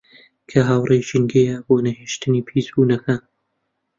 کە هاوڕێی ژینگەیە بۆ نەهێشتنی پیسبوونەکان